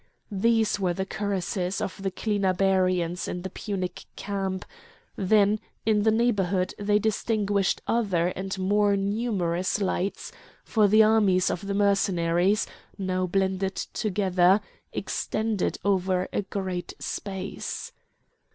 These were the cuirasses of the Clinabarians in the Punic camp; then in the neighbourhood they distinguished other and more numerous lights, for the armies of the Mercenaries, now blended together, extended over a great space.